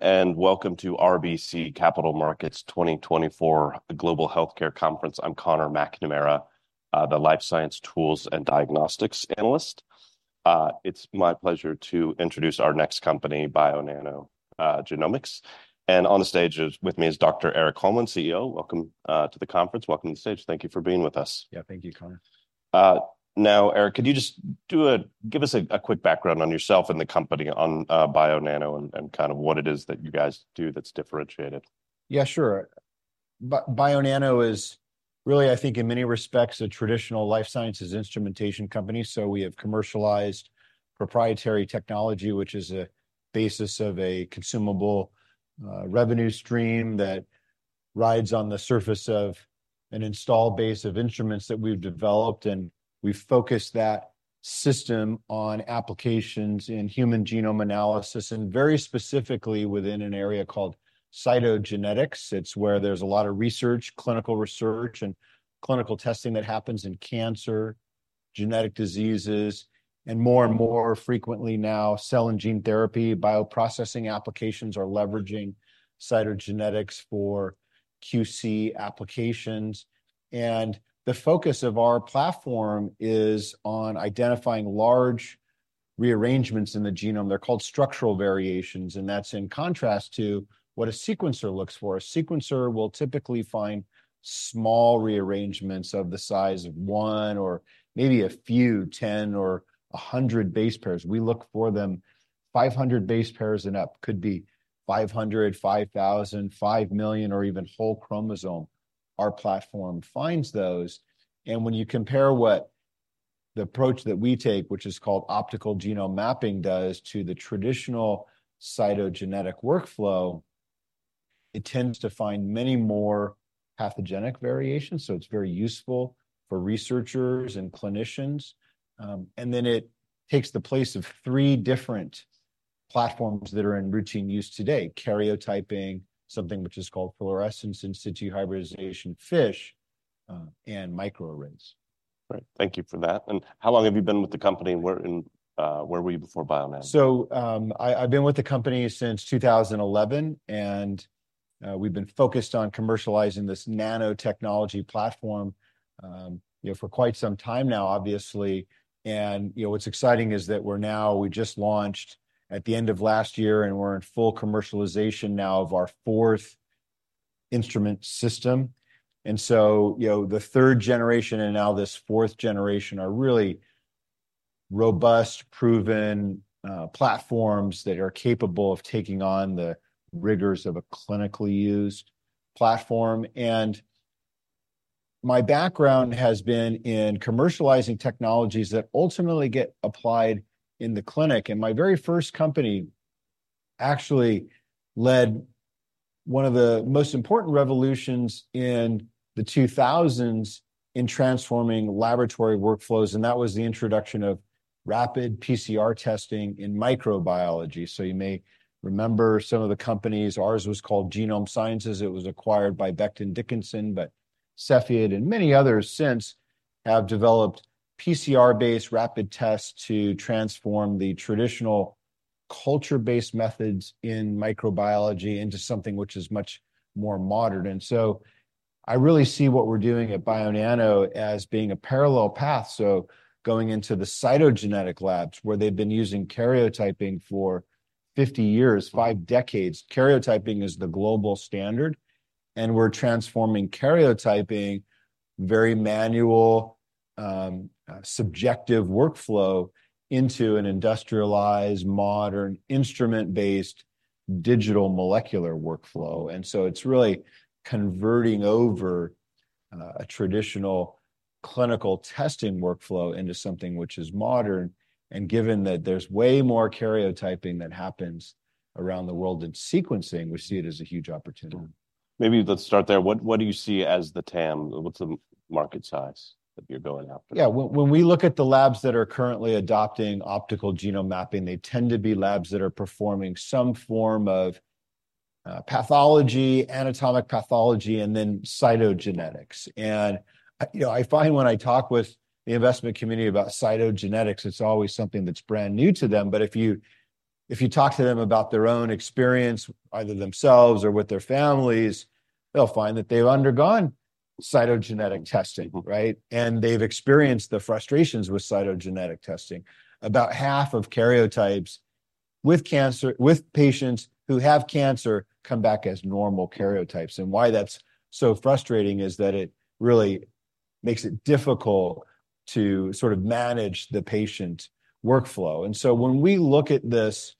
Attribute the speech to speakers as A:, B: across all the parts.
A: Welcome to RBC Capital Markets 2024 Global Healthcare Conference. I'm Conor McNamara, the life science tools and diagnostics analyst. It's my pleasure to introduce our next company, Bionano Genomics. On the stage with me is Dr. Erik Holmlin, CEO. Welcome to the conference. Welcome to the stage. Thank you for being with us.
B: Yeah. Thank you, Conor.
A: Now, Erik, could you just give us a quick background on yourself and the company, on Bionano, and kind of what it is that you guys do that's differentiated?
B: Yeah, sure. Bionano is really, I think in many respects, a traditional life sciences instrumentation company, so we have commercialized proprietary technology, which is a basis of a consumable revenue stream that rides on the surface of an installed base of instruments that we've developed, and we've focused that system on applications in human genome analysis, and very specifically within an area called cytogenetics. It's where there's a lot of research, clinical research and clinical testing that happens in cancer, genetic diseases, and more and more frequently now, cell and gene therapy. Bioprocessing applications are leveraging cytogenetics for QC applications. And the focus of our platform is on identifying large rearrangements in the genome. They're called structural variations, and that's in contrast to what a sequencer looks for. A sequencer will typically find small rearrangements of the size of 1 or maybe a few, 10 or a 100 base pairs. We look for them 500 base pairs and up, could be 500, 5,000, 5 million, or even whole chromosome. Our platform finds those, and when you compare what the approach that we take, which is called Optical Genome Mapping, does to the traditional cytogenetic workflow, it tends to find many more pathogenic variations, so it's very useful for researchers and clinicians. And then it takes the place of three different platforms that are in routine use today: Karyotyping, something which is called Fluorescence in situ hybridization, FISH, and microarrays.
A: Great. Thank you for that. And how long have you been with the company, and where and, where were you before Bionano?
B: So, I've been with the company since 2011, and we've been focused on commercializing this nanotechnology platform, you know, for quite some time now, obviously. And, you know, what's exciting is that we're now—we just launched at the end of last year, and we're in full commercialization now of our fourth instrument system. And so, you know, the third generation and now this fourth generation are really robust, proven platforms that are capable of taking on the rigors of a clinically used platform. And my background has been in commercializing technologies that ultimately get applied in the clinic, and my very first company actually led one of the most important revolutions in the 2000s in transforming laboratory workflows, and that was the introduction of rapid PCR testing in microbiology. So you may remember some of the companies. Ours was called GenOhm Sciences. It was acquired by Becton Dickinson, but Cepheid and many others since have developed PCR-based rapid tests to transform the traditional culture-based methods in microbiology into something which is much more modern. So I really see what we're doing at Bionano as being a parallel path, so going into the cytogenetic labs, where they've been using karyotyping for 50 years, five decades. Karyotyping is the global standard, and we're transforming karyotyping, very manual, subjective workflow, into an industrialized, modern, instrument-based, digital molecular workflow. So it's really converting over a traditional clinical testing workflow into something which is modern. Given that there's way more karyotyping that happens around the world than sequencing, we see it as a huge opportunity.
A: Maybe let's start there. What, what do you see as the TAM? What's the market size that you're going after?
B: Yeah, when we look at the labs that are currently adopting optical genome mapping, they tend to be labs that are performing some form of pathology, anatomic pathology, and then cytogenetics. And you know, I find when I talk with the investment community about cytogenetics, it's always something that's brand new to them. But if you talk to them about their own experience, either themselves or with their families, they'll find that they've undergone cytogenetic testing, right? And they've experienced the frustrations with cytogenetic testing. About half of karyotypes with cancer, with patients who have cancer, come back as normal karyotypes, and why that's so frustrating is that it really makes it difficult to sort of manage the patient workflow. And so when we look at this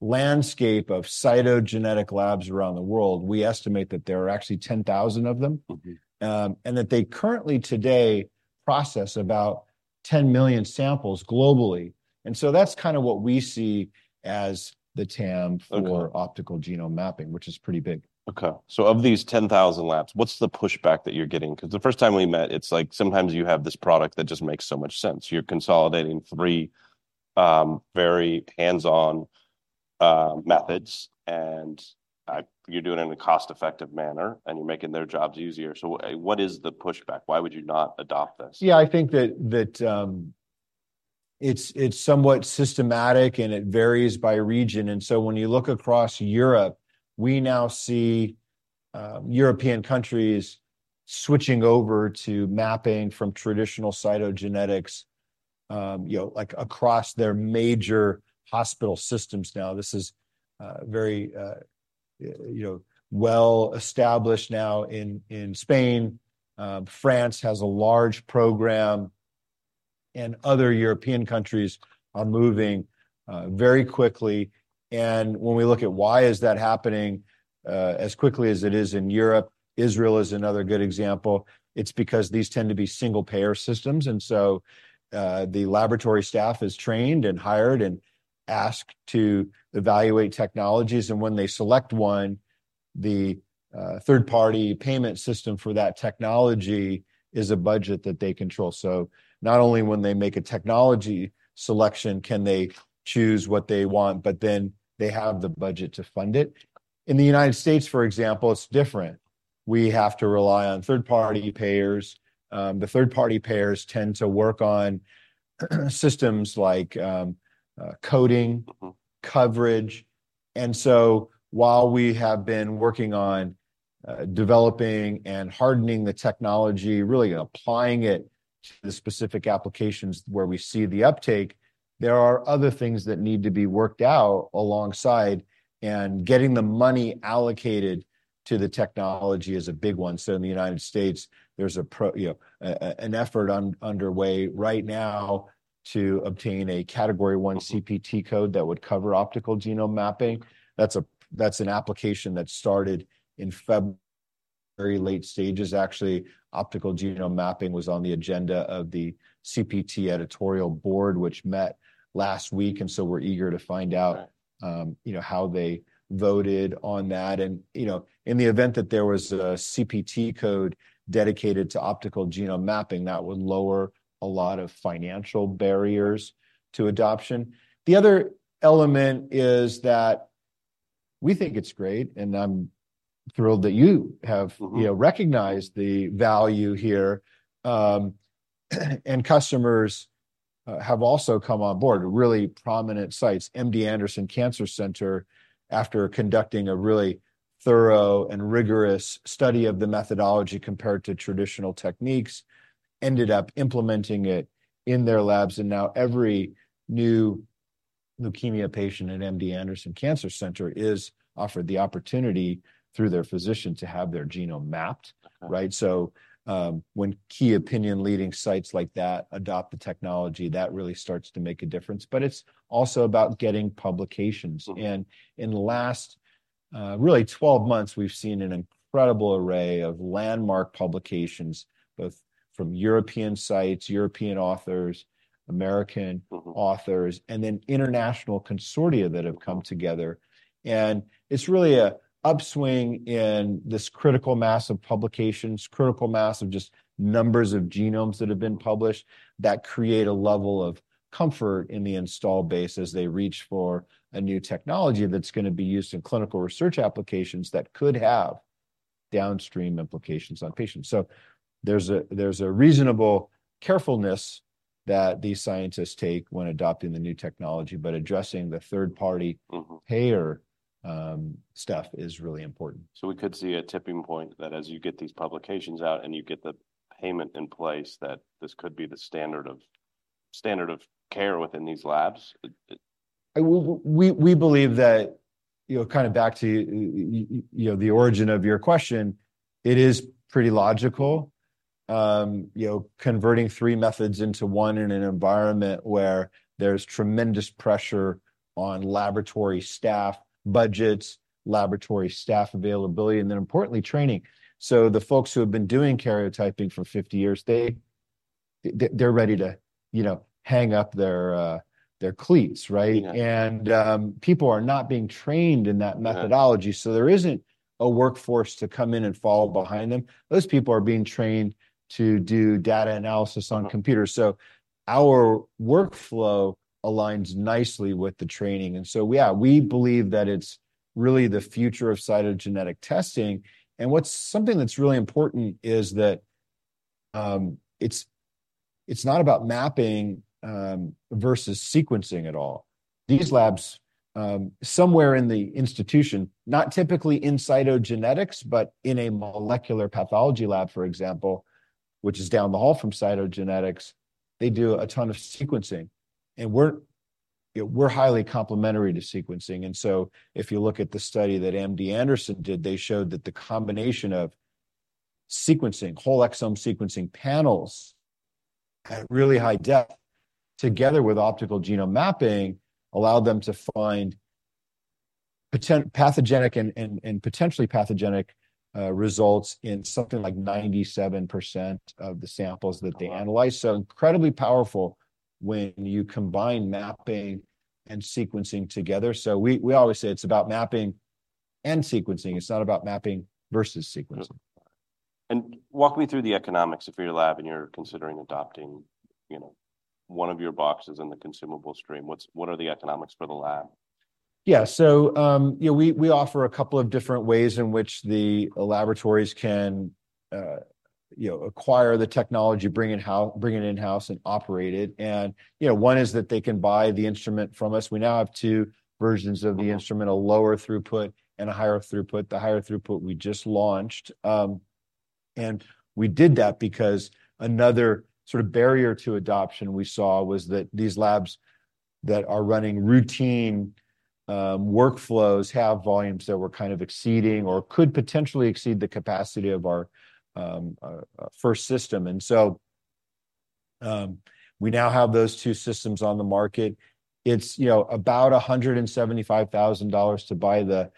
B: landscape of cytogenetic labs around the world, we estimate that there are actually 10,000 of them.
A: Mm-hmm.
B: and that they currently today process about 10 million samples globally. And so that's kind of what we see as the TAM-
A: Okay...
B: for Optical Genome Mapping, which is pretty big.
A: Okay. So of these 10,000 labs, what's the pushback that you're getting? 'Cause the first time we met, it's like sometimes you have this product that just makes so much sense. You're consolidating three very hands-on methods, and you're doing it in a cost-effective manner, and you're making their jobs easier. So what is the pushback? Why would you not adopt this?
B: Yeah, I think that it's somewhat systematic, and it varies by region. And so when you look across Europe, we now see European countries switching over to mapping from traditional cytogenetics, you know, like, across their major hospital systems now. This is very, you know, well-established now in Spain. France has a large program, and other European countries are moving very quickly. And when we look at why is that happening as quickly as it is in Israel, Israel is another good example. It's because these tend to be single-payer systems, and so the laboratory staff is trained and hired and asked to evaluate technologies. And when they select one, the third-party payment system for that technology is a budget that they control. So not only when they make a technology selection can they choose what they want, but then they have the budget to fund it. In the United States, for example, it's different. We have to rely on third-party payers. The third-party payers tend to work on systems like, coding-
A: Mm-hmm...
B: coverage. And so, while we have been working on developing and hardening the technology, really applying it to the specific applications where we see the uptake, there are other things that need to be worked out alongside, and getting the money allocated to the technology is a big one. So in the United States, there's, you know, an effort underway right now to obtain a Category I CPT code that would cover Optical Genome Mapping. That's an application that started in February... very late stages. Actually, Optical Genome Mapping was on the agenda of the CPT editorial board, which met last week, and so we're eager to find out-
A: Right...
B: you know, how they voted on that. And, you know, in the event that there was a CPT code dedicated to optical genome mapping, that would lower a lot of financial barriers to adoption. The other element is that we think it's great, and I'm thrilled that you have-
A: Mm-hmm...
B: you know, recognized the value here. Customers have also come on board, really prominent sites. MD Anderson Cancer Center, after conducting a really thorough and rigorous study of the methodology compared to traditional techniques, ended up implementing it in their labs, and now every new leukemia patient at MD Anderson Cancer Center is offered the opportunity, through their physician, to have their genome mapped.
A: Uh-huh.
B: Right? So, when key opinion leader sites like that adopt the technology, that really starts to make a difference. But it's also about getting publications.
A: Mm-hmm.
B: In the last 12 months, we've seen an incredible array of landmark publications, both from European sites, European authors, American-
A: Mm-hmm...
B: authors, and then international consortia that have come together. And it's really an upswing in this critical mass of publications, critical mass of just numbers of genomes that have been published, that create a level of comfort in the install base as they reach for a new technology that's going to be used in clinical research applications that could have downstream implications on patients. So there's a, there's a reasonable carefulness that these scientists take when adopting the new technology, but addressing the third-party-
A: Mm-hmm...
B: payer, stuff is really important.
A: So we could see a tipping point, that as you get these publications out, and you get the payment in place, that this could be the standard of care within these labs?
B: We believe that, you know, kind of back to you know, the origin of your question, it is pretty logical, you know, converting three methods into one in an environment where there's tremendous pressure on laboratory staff, budgets, laboratory staff availability, and then, importantly, training. So the folks who have been doing karyotyping for 50 years, they're ready to, you know, hang up their cleats, right?
A: Yeah.
B: People are not being trained in that methodology-
A: Yeah...
B: so there isn't a workforce to come in and follow behind them. Those people are being trained to do data analysis on computers. So our workflow aligns nicely with the training. And so, yeah, we believe that it's really the future of cytogenetic testing. And what's something that's really important is that, it's not about mapping versus sequencing at all. These labs, somewhere in the institution, not typically in cytogenetics, but in a molecular pathology lab, for example, which is down the hall from cytogenetics, they do a ton of sequencing. And we're, you know, we're highly complementary to sequencing. And so if you look at the study that MD Anderson did, they showed that the combination of sequencing, whole exome sequencing panels at really high depth, together with optical genome mapping, allowed them to find pathogenic and potentially pathogenic results in something like 97% of the samples that they analyzed.
A: Wow!
B: So incredibly powerful when you combine mapping and sequencing together. So we always say it's about mapping and sequencing, it's not about mapping versus sequencing.
A: Walk me through the economics. If you're a lab and you're considering adopting, you know, one of your boxes in the consumable stream, what are the economics for the lab? ...
B: Yeah. So, you know, we, we offer a couple of different ways in which the laboratories can, you know, acquire the technology, bring it in-house, and operate it. And, you know, one is that they can buy the instrument from us. We now have two versions of the instrument, a lower throughput and a higher throughput. The higher throughput we just launched. And we did that because another sort of barrier to adoption we saw was that these labs that are running routine workflows have volumes that were kind of exceeding or could potentially exceed the capacity of our first system. And so, we now have those two systems on the market. It's, you know, about $175,000 to buy the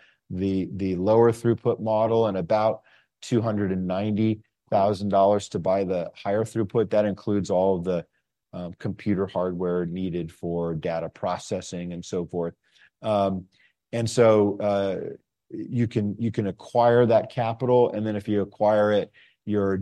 B: lower throughput model and about $290,000 to buy the higher throughput. That includes all of the computer hardware needed for data processing and so forth. And so, you can acquire that capital, and then if you acquire it, your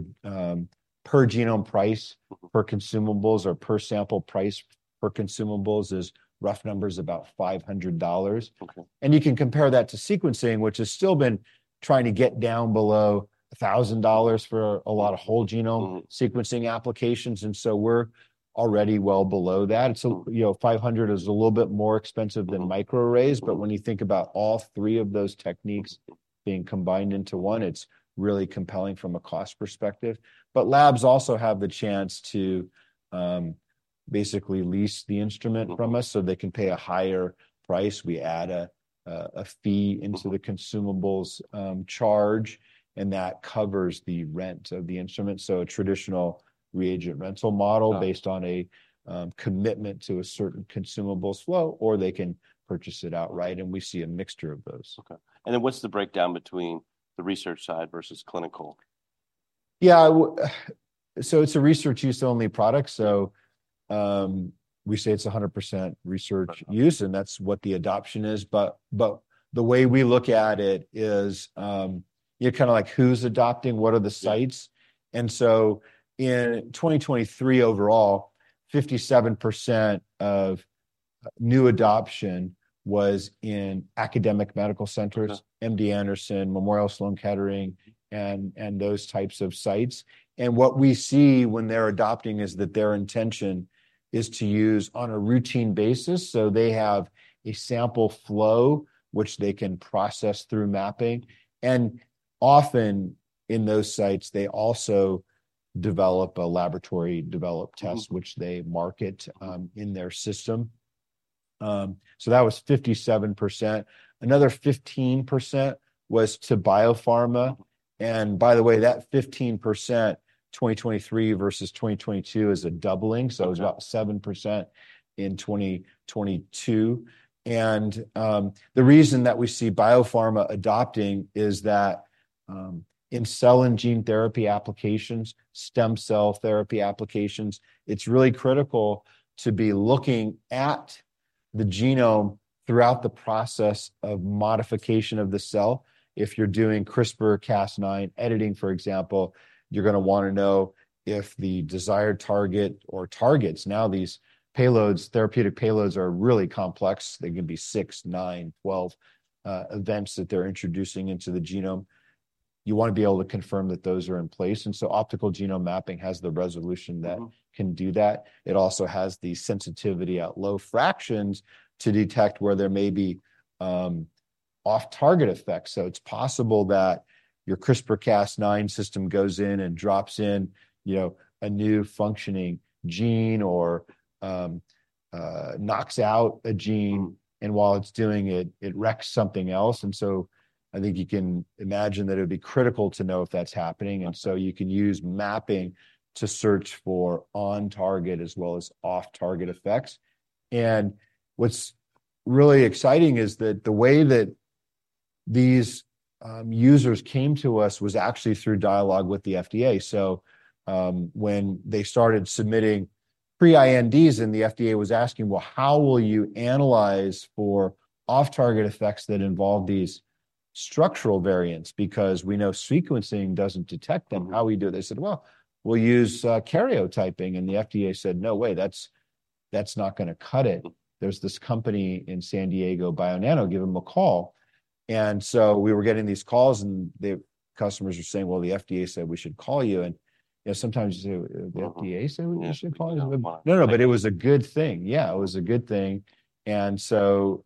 B: per genome price for consumables or per sample price for consumables is, rough numbers, about $500.
A: Okay.
B: You can compare that to sequencing, which has still been trying to get down below $1,000 for a lot of whole genome-
A: Mm-hmm.
B: - sequencing applications, and so we're already well below that. So, you know, $500 is a little bit more expensive than microarrays, but when you think about all three of those techniques being combined into one, it's really compelling from a cost perspective. But labs also have the chance to basically lease the instrument from us so they can pay a higher price. We add a fee into the consumables charge, and that covers the rent of the instrument. So a traditional reagent rental model-
A: Ah.
B: - based on a commitment to a certain consumables flow, or they can purchase it outright, and we see a mixture of those.
A: Okay. And then, what's the breakdown between the research side versus clinical?
B: Yeah, so it's a research-use only product, so, we say it's 100% research use, and that's what the adoption is. But, the way we look at it is, you know, kind of like, who's adopting? What are the sites?
A: Yeah.
B: In 2023 overall, 57% of new adoption was in academic medical centers-
A: Okay.
B: MD Anderson, Memorial Sloan Kettering, and those types of sites. What we see when they're adopting is that their intention is to use on a routine basis, so they have a sample flow which they can process through mapping. Often in those sites, they also develop a laboratory-developed test.
A: Mm-hmm.
B: - which they market in their system. So that was 57%. Another 15% was to biopharma. And by the way, that 15%, 2023 versus 2022, is a doubling, so it was-
A: Okay...
B: about 7% in 2022. And, the reason that we see biopharma adopting is that, in cell and gene therapy applications, stem cell therapy applications, it's really critical to be looking at the genome throughout the process of modification of the cell. If you're doing CRISPR-Cas9 editing, for example, you're going to want to know if the desired target or targets... Now, these payloads, therapeutic payloads, are really complex. They can be 6, 9, 12 events that they're introducing into the genome. You want to be able to confirm that those are in place, and so optical genome mapping has the resolution that-
A: Mm-hmm...
B: can do that. It also has the sensitivity at low fractions to detect where there may be, off-target effects. So it's possible that your CRISPR-Cas9 system goes in and drops in, you know, a new functioning gene or, knocks out a gene-
A: Mm-hmm...
B: and while it's doing it, it wrecks something else. And so I think you can imagine that it would be critical to know if that's happening. And so you can use mapping to search for on-target as well as off-target effects. And what's really exciting is that the way that these users came to us was actually through dialogue with the FDA. So, when they started submitting pre-INDs, and the FDA was asking: "Well, how will you analyze for off-target effects that involve these structural variants? Because we know sequencing doesn't detect them. How we do it?" They said, "Well, we'll use karyotyping." And the FDA said, "No way. That's not going to cut it. There's this company in San Diego, Bionano, give them a call." And so we were getting these calls, and the customers are saying, "Well, the FDA said we should call you." And, you know, sometimes you say-
A: Mm-hmm...
B: "The FDA said we should call you?
A: Not much.
B: No, no, but it was a good thing. Yeah, it was a good thing. And so,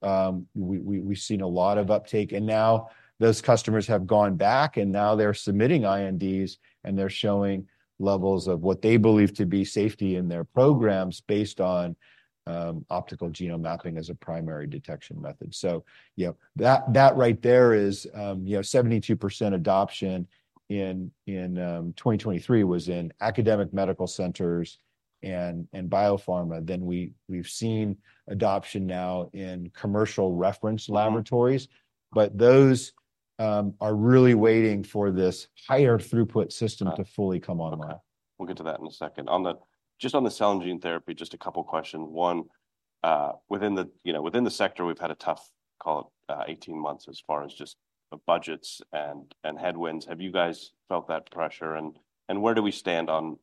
B: we, we've seen a lot of uptake, and now those customers have gone back, and now they're submitting INDs, and they're showing levels of what they believe to be safety in their programs, based on, optical genome mapping as a primary detection method. So you know, that right there is, you know, 72% adoption in 2023 was in academic medical centers and biopharma. Then we've seen adoption now in commercial reference laboratories.
A: Mm-hmm.
B: But those are really waiting for this higher throughput system-
A: Ah...
B: to fully come online.
A: Okay. We'll get to that in a second. Just on the cell and gene therapy, just a couple questions. One, within the, you know, within the sector, we've had a tough, call it, 18 months as far as just the budgets and headwinds. Have you guys felt that pressure, and where do we stand on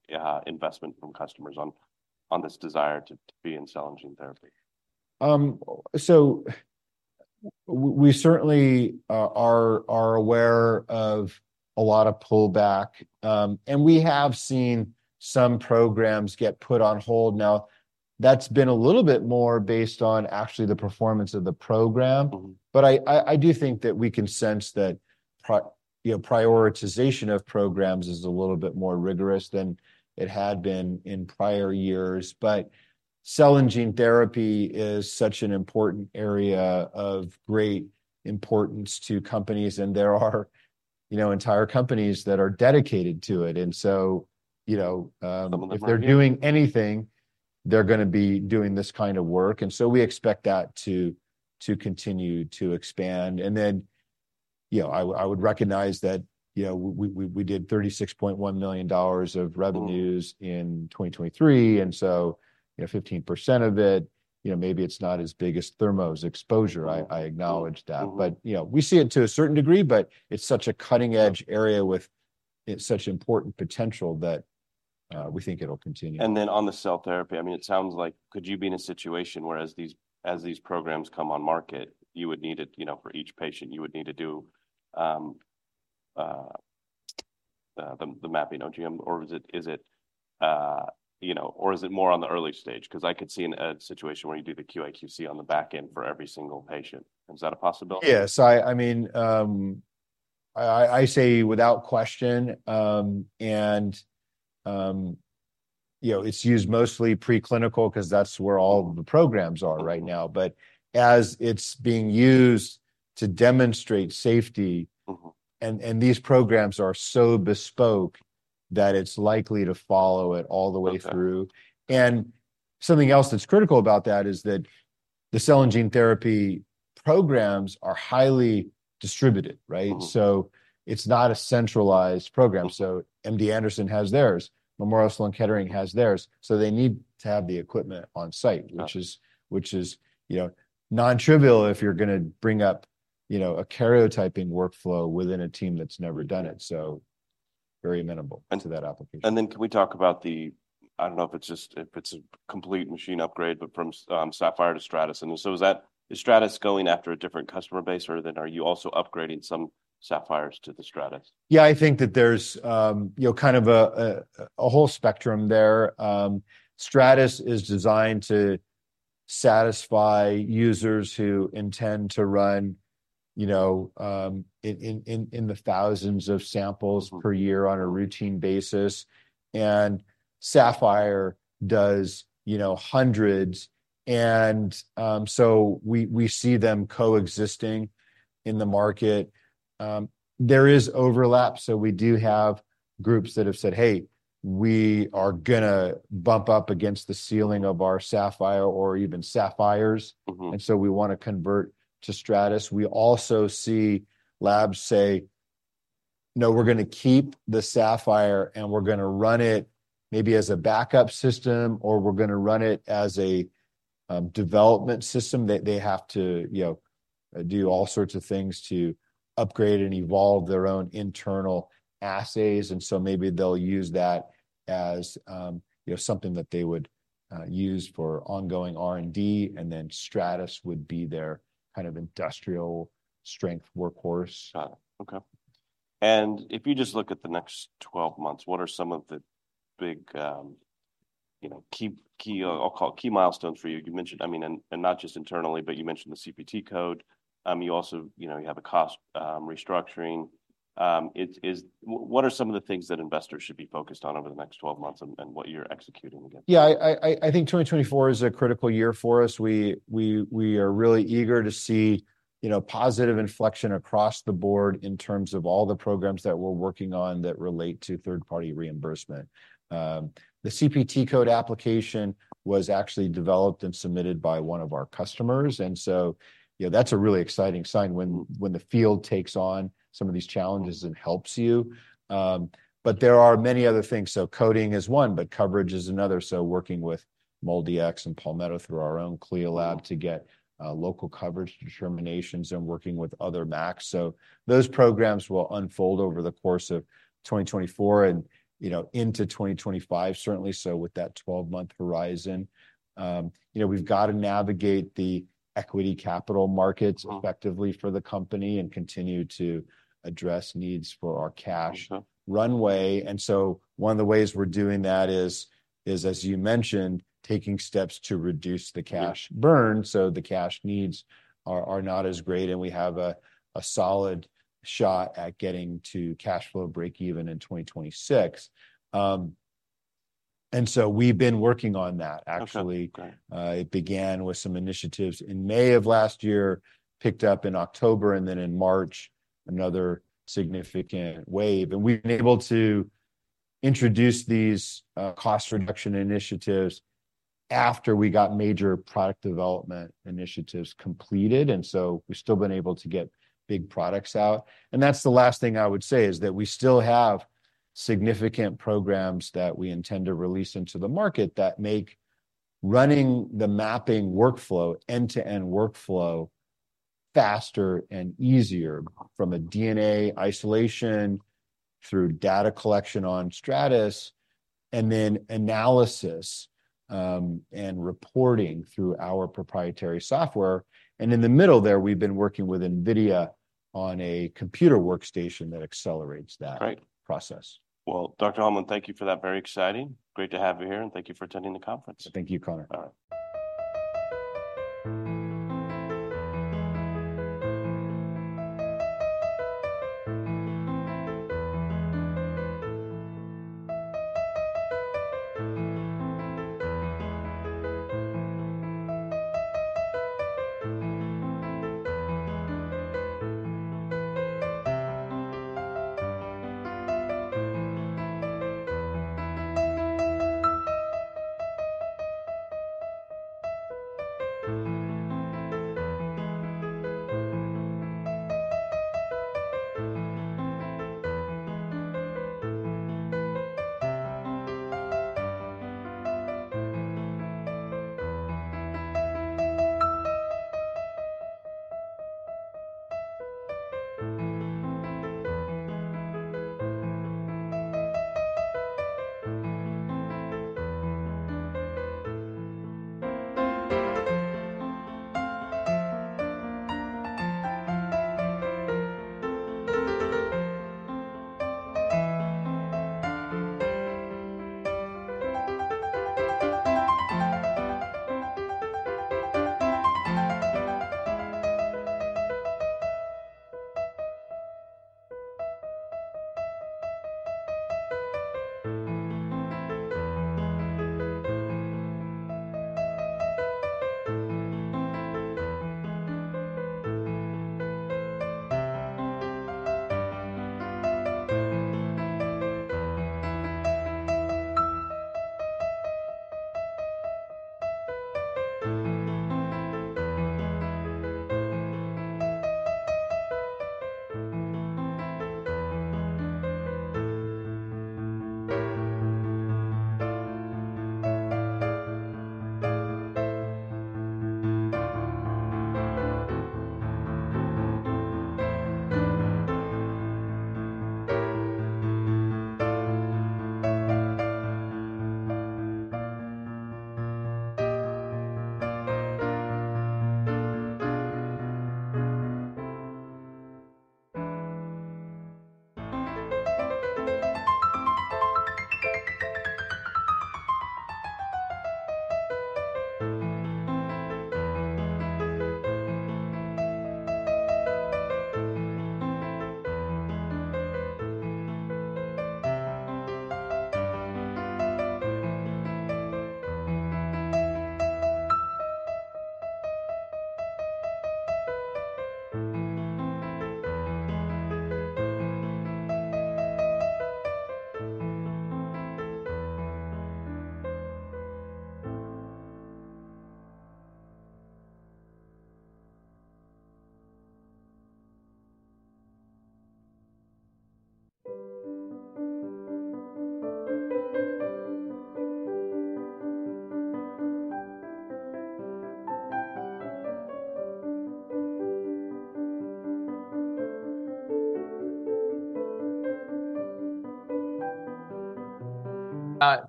A: investment from customers on this desire to be in cell and gene therapy?
B: So we certainly are aware of a lot of pullback, and we have seen some programs get put on hold. Now, that's been a little bit more based on actually the performance of the program.
A: Mm-hmm.
B: But I do think that we can sense that you know, prioritization of programs is a little bit more rigorous than it had been in prior years. But cell and gene therapy is such an important area of great importance to companies, and there are, you know, entire companies that are dedicated to it. And so, you know,
A: A couple of them-...
B: if they're doing anything, they're gonna be doing this kind of work, and so we expect that to continue to expand. And then, you know, I would recognize that, you know, we did $36.1 million of revenues-
A: Mm...
B: in 2023, and so, you know, 15% of it, you know, maybe it's not as big as Thermo's exposure.
A: Mm.
B: I acknowledge that.
A: Mm-hmm.
B: But, you know, we see it to a certain degree, but it's such a cutting-edge area with such important potential that we think it'll continue.
A: On the cell therapy, I mean, it sounds like could you be in a situation where as these programs come on market, you would need it, you know, for each patient, you would need to do the mapping OGM, or is it more on the early stage? 'Cause I could see a situation where you do the QA/QC on the back end for every single patient. Is that a possibility?
B: Yes. I mean, I say without question, and, you know, it's used mostly preclinical 'cause that's where all the programs are right now. But as it's being used to demonstrate safety-
A: Mm-hmm...
B: and these programs are so bespoke, that it's likely to follow it all the way through.
A: Okay.
B: Something else that's critical about that is that the cell and gene therapy programs are highly distributed, right?
A: Mm-hmm.
B: So it's not a centralized program.
A: Mm-hmm.
B: MD Anderson has theirs, Memorial Sloan Kettering has theirs, so they need to have the equipment on site-
A: Uh-huh...
B: which is, you know, nontrivial if you're gonna bring up, you know, a karyotyping workflow within a team that's never done it, so very amenable-
A: And-
B: to that application.
A: And then, can we talk about the—I don't know if it's just—if it's a complete machine upgrade, but from Saphyr to Stratys. And so does that—is Stratys going after a different customer base, or then are you also upgrading some Saphyrs to the Stratys?
B: Yeah, I think that there's, you know, kind of a whole spectrum there. Stratys is designed to satisfy users who intend to run, you know, in the thousands of samples-
A: Mm...
B: per year on a routine basis, and Saphyr does, you know, hundreds. And, so we see them coexisting in the market. There is overlap, so we do have groups that have said, "Hey, we are gonna bump up against the ceiling of our Saphyr or even Saphyrs-
A: Mm-hmm...
B: and so we wanna convert to Stratys. We also see labs say, "No, we're gonna keep the Saphyr, and we're gonna run it maybe as a backup system, or we're gonna run it as a development system." They have to, you know, do all sorts of things to upgrade and evolve their own internal assays, and so maybe they'll use that as, you know, something that they would use for ongoing R&D, and then Stratys would be their kind of industrial-strength workhorse.
A: Got it. Okay. And if you just look at the next 12 months, what are some of the big, you know, key, or I'll call it, key milestones for you? You mentioned, I mean, not just internally, but you mentioned the CPT code. You also, you know, you have a cost restructuring. What are some of the things that investors should be focused on over the next 12 months and what you're executing again?
B: Yeah, I think 2024 is a critical year for us. We are really eager to see, you know, positive inflection across the board in terms of all the programs that we're working on that relate to third-party reimbursement. The CPT code application was actually developed and submitted by one of our customers, and so, you know, that's a really exciting sign when the field takes on some of these challenges.
A: Mm...
B: and helps you. But there are many other things. So coding is one, but coverage is another, so working with MolDX and Palmetto through our own CLIA lab-
A: Mm...
B: to get local coverage determinations and working with other MACs. So those programs will unfold over the course of 2024 and, you know, into 2025, certainly. So with that 12-month horizon, you know, we've got to navigate the equity capital markets-
A: Mm...
B: effectively for the company and continue to address needs for our cash-
A: Mm-hmm...
B: runway. And so one of the ways we're doing that is, as you mentioned, taking steps to reduce the cash burn, so the cash needs are not as great, and we have a solid shot at getting to cash flow breakeven in 2026. And so we've been working on that, actually.
A: Okay. Great.
B: It began with some initiatives in May of last year, picked up in October, and then in March, another significant wave. We've been able to introduce these cost reduction initiatives after we got major product development initiatives completed, and so we've still been able to get big products out. That's the last thing I would say, is that we still have significant programs that we intend to release into the market that make running the mapping workflow, end-to-end workflow faster and easier from a DNA isolation through data collection on Stratys, and then analysis, and reporting through our proprietary software. In the middle there, we've been working with NVIDIA on a computer workstation that accelerates that-
C: Great
B: -process.
C: Well, Dr. Holmlin, thank you for that. Very exciting. Great to have you here, and thank you for attending the conference.
B: Thank you, Conor.
C: All right.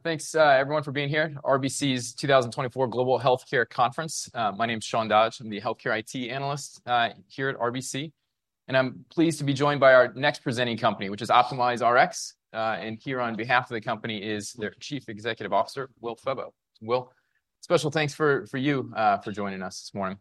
C: Thanks, everyone for being here, RBC's 2024 Global Healthcare Conference. My name's Sean Dodge. I'm the healthcare IT analyst here at RBC, and I'm pleased to be joined by our next presenting company, which is OptimizeRx. And here on behalf of the company is their Chief Executive Officer, Will Febbo. Will, special thanks for, for you, for joining us this morning.